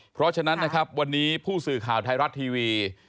เพราะฉะนั้นนะครับวันนี้ผู้สื่อข่าวไทยรัฐทีวี